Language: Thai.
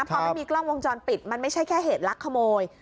พอไม่มีกล้องวงจรปิดมันไม่ใช่แค่เหตุลักขโมย